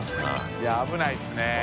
いや危ないですね。